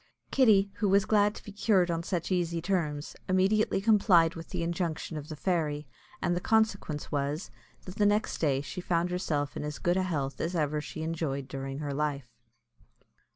Kitty, who was glad to be cured on such easy terms, immediately complied with the injunction of the fairy; and the consequence was, that the next day she found herself in as good health as ever she enjoyed during her life.